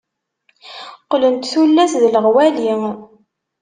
Qqlent tullas d leɣwali.